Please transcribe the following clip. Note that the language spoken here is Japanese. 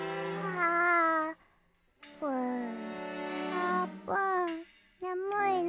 あーぷんねむいの？